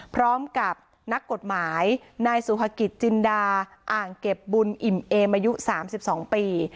พร้อมกับนักกฎหมายนายสุภกิจจินดาอ่างเก็บบุญอิ่มเอมอายุ๓๒ปี